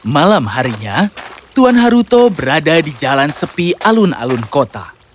malam harinya tuan haruto berada di jalan sepi alun alun kota